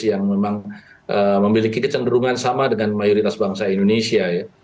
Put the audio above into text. yang memang memiliki kecenderungan sama dengan mayoritas bangsa indonesia ya